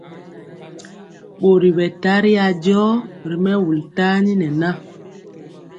Ɓori ɓɛ tari ajɔ ri mɛwul tani nɛ na.